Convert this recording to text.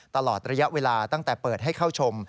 ตลอดระยะเวลาตั้งแต่เปิดให้เข้าชม